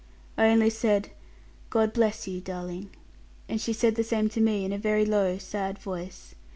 I only said, 'God bless you, darling!' and she said the same to me, in a very low sad voice.